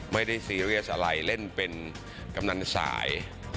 ซีเรียสอะไรเล่นเป็นกำนันสาย